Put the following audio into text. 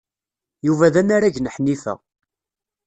Yuba d anarag n Ḥnifa.